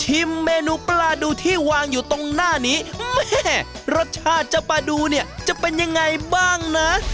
เมนูปลาดูที่วางอยู่ตรงหน้านี้แม่รสชาติเจ้าปลาดูเนี่ยจะเป็นยังไงบ้างนะ